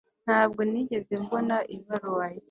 ntabwo nigeze mbona ibaruwa ye